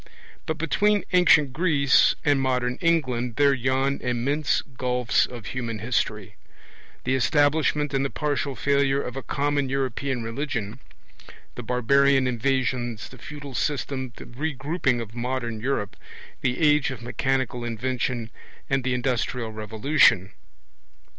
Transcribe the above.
But between ancient Greece and modern England there yawn immense gulfs of human history; the establishment and the partial failure of a common European religion, the barbarian invasions, the feudal system, the regrouping of modern Europe, the age of mechanical invention, and the industrial revolution.